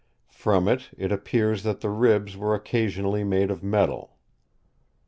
From it, it appears that the ribs were occasionally made of metal.